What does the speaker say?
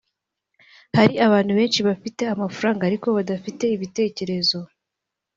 Hari abantu benshi bafite amafaranga ariko badafite ibitekerezo